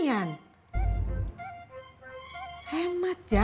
aku jalan juga